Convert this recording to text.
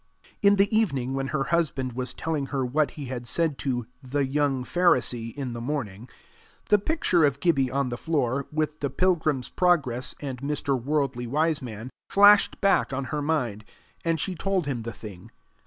In the evening, when her husband was telling her what he had said to "the young Pharisee" in the morning, the picture of Gibbie on the floor, with the Pilgrim's Progress and Mr. Worldly Wiseman, flashed back on her mind, and she told him the thing.